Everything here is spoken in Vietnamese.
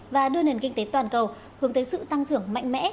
và đưa nền kinh tế toàn cầu hướng tới sự tăng trưởng mạnh mẽ